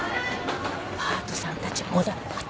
「パートさんたちも」だって。